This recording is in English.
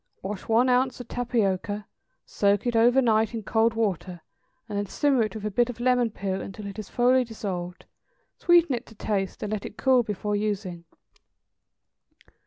= Wash one ounce of tapioca, soak it over night in cold water, and then simmer it with a bit of lemon peel until it is thoroughly dissolved; sweeten it to taste, and let it cool before using.